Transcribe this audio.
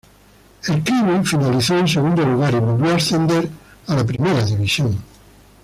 El Crewe finalizó en segundo lugar y volvió a ascender a la First División.